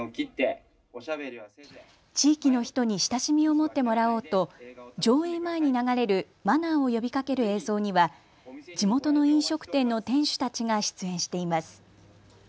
地域の人に親しみを持ってもらおうと上映前に流れるマナーを呼びかける映像には地元の飲食店の店主たちが出演しています。